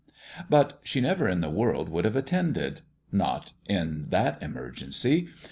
But she never in the world would have attended. Not in that emergency